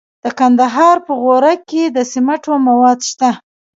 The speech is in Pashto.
د کندهار په غورک کې د سمنټو مواد شته.